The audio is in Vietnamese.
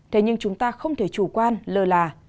thế nhưng chúng ta không thể chủ quan lơ là